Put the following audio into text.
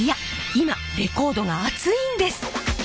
今レコードがアツいんです！